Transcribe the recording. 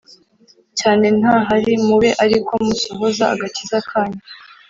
cyane ntahari mube ari ko musohoza agakiza kanyu